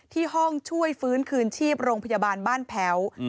ที่ห้องช่วยฟื้นคืนชีพโรงพยาบาลบ้านแพ้ว